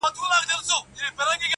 o خوله دي خپله، غول په وله!